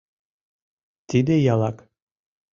Тиде ялак.